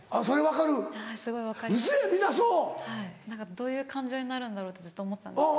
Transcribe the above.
どういう感情になるんだろうってずっと思ってたんですけど。